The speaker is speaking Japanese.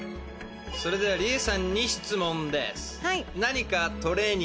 それではりえさんに質問です。